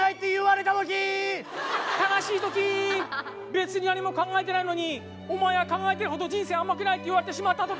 別に何も考えてないのにお前が考えてるほど人生甘くないって言われてしまった時。